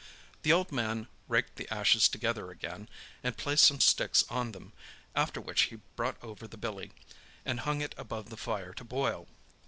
The old man raked the ashes together again, and placed some sticks on them, after which he brought over the billy, and hung it above the fire to boil.